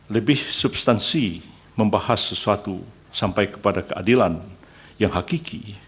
lebih substansi membahas sesuatu sampai kepada keadilan yang hakiki